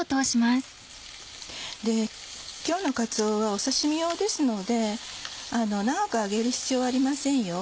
今日のかつおは刺し身用ですので長く揚げる必要はありませんよ。